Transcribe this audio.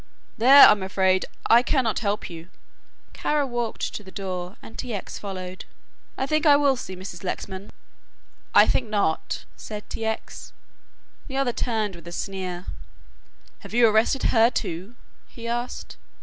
"There, I'm afraid I cannot help you." Kara walked to the door and T. X. followed. "I think I will see Mrs. Lexman." "I think not," said T. X. The other turned with a sneer. "Have you arrested her, too?" he asked.